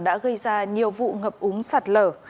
đã gây ra nhiều vụ ngập úng sạt lở